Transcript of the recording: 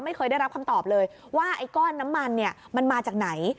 ไม่เคยได้รับคำตอบเลยว่าไอ้ก้อนน้ำมันเนี่ยมันมาจากไหน